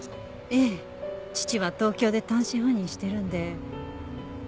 ええ父は東京で単身赴任してるので。